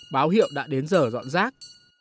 báo hiệu đã đến giờ dọn rác